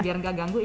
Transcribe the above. biar gak ganggu